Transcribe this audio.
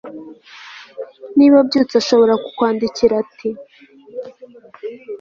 niba abyutse ashobora kukwandikira ati